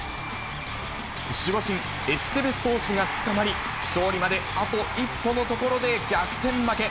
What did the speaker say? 守護神、エステベス投手がつかまり、勝利まであと一歩のところで逆転負け。